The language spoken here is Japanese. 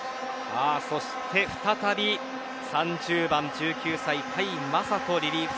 そして再び３０番、１９歳甲斐優斗リリーフ